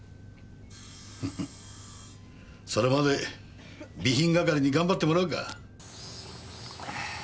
フフそれまで備品係に頑張ってもらうか。